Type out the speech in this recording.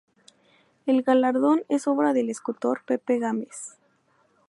El galardón es obra del escultor Pepe Gámez.